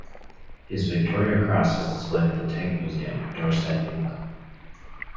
His Victoria Cross is displayed at The Tank Museum, Dorset, England.